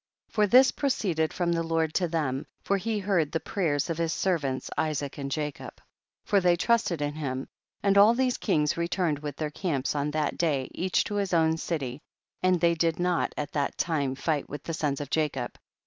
24. For this proceeded from the Lord to them, for he heard the pray ers of his servants Isaac and Jacob, for they trusted in him ; and all these kings returned with their camps on that day, each to his own city, and they did not at that time fight with the sons of Jacob.